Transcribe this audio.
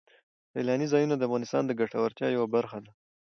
سیلاني ځایونه د افغانانو د ګټورتیا یوه برخه ده.